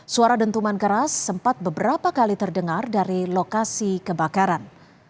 suara dentuman keras sempat beberapa kali terdengar dari lokasi kebakaran